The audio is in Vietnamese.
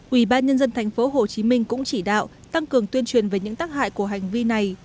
ủy ban nhân dân tp hcm cũng chỉ đạo tăng cường tuyên truyền về những tác hại của hành vi này